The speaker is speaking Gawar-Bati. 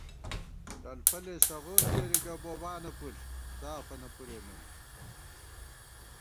ڄلفَلےسغون کېری گہ بوبانہ پُݪ سافَنہ پُرے نُن